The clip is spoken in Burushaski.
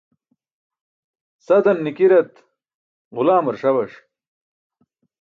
Sadan nikirat ġulaamar ṣabaṣ.